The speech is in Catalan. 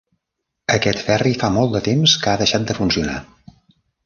Aquest ferri fa molt de temps que ha deixat de funcionar.